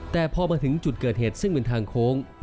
แต่พอมาถึงจุดเกิดเหตุซึ่งเป็นทางโค้ง